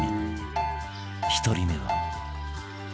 １人目は